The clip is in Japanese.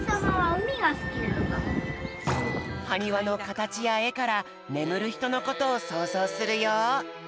はにわのかたちやえからねむるひとのことをそうぞうするよ。